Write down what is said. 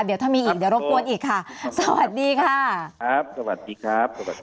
เดี๋ยวถ้ามีอีกเดี๋ยวรบกวนอีกค่ะสวัสดีค่ะครับสวัสดีครับ